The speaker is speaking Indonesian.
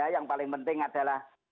yang paling penting adalah